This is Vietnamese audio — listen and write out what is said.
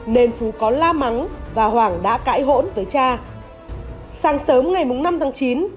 nên phú có la mắng và hoàng đã cãi hỗn với chị yến